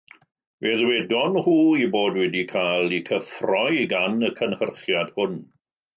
Fe ddwedon nhw eu bod wedi cael eu cyffroi gan y cynhyrchiad hwn.